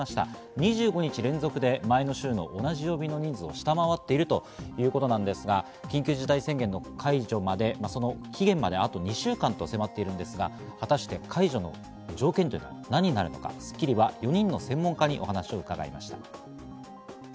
２５日連続で前の週の同じ曜日の人数を下回っているということなんですが、緊急事態宣言の解除、その期限まで、あと２週間と迫っているんですが、果たして解除の条件というのは何になるのか、『スッキリ』は４人の専門家にお話を伺いました。